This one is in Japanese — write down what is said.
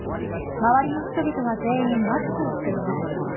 周りの人々は全員マスクをしています。